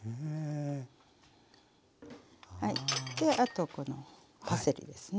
あとこのパセリですね。